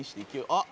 「あっ！